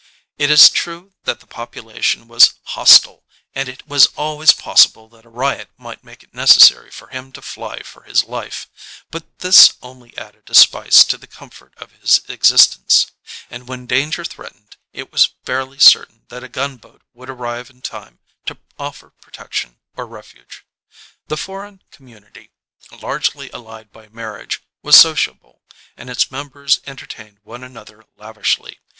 It is true that the population was hos tile and it was always possible that a riot might make it necessary for him to fly for his life, but this only added a spice to the comfort of his ex istence ; and when danger threatened it was fairly certain that a gunboat would arrive in time to offer protection or refuge. The foreign com munity, largely allied by marriage, was sociable, and its members entertained one another lavishly.